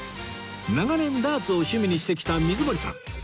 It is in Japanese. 長年ダーツを趣味にしてきた水森さん